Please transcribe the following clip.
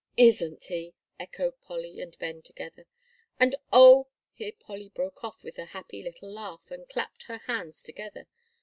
"Isn't he!" echoed Polly and Ben together. "And oh " here Polly broke off with a happy little laugh, and clapped her hands together.